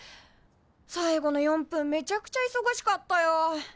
最後の４分めちゃくちゃいそがしかったよ。